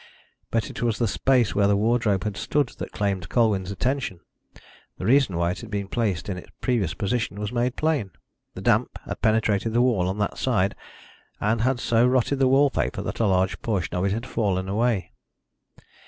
But it was the space where the wardrobe had stood that claimed Colwyn's attention. The reason why it had been placed in its previous position was made plain. The damp had penetrated the wall on that side, and had so rotted the wall paper that a large portion of it had fallen away.